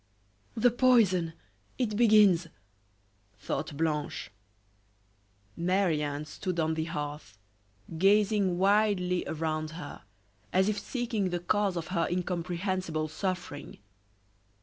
"The poison! it begins!" thought Blanche. Marie Anne stood on the hearth, gazing wildly around her, as if seeking the cause of her incomprehensible suffering.